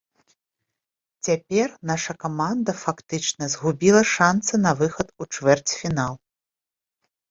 Цяпер наша каманда фактычна згубіла шанцы на выхад у чвэрцьфінал.